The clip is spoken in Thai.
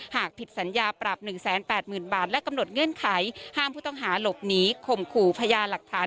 หากผิดสัญญาปรับ๑๘๐๐๐บาทและกำหนดเงื่อนไขห้ามผู้ต้องหาหลบหนีข่มขู่พญาหลักฐาน